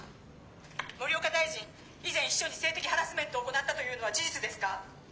「森岡大臣以前秘書に性的ハラスメントを行ったというのは事実ですか？」。